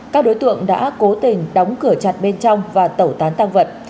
các đối tượng đã cố tình đóng cửa chặt bên trong và tẩu tán tăng vật